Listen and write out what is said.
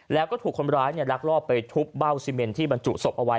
แล้วก็ถูกคนร้ายลักลอบไปทุบเบ้าซีเมนที่บรรจุศพเอาไว้